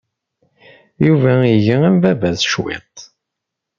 Yuba iga am baba-s cwiṭ.